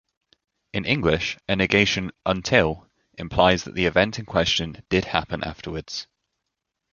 In English a negation "until" implies that the event in question did happen afterwards.